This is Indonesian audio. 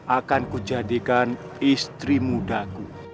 akanku jadikan istri mudaku